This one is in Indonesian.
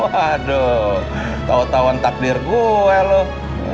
waduh tau tauan takdir gue loh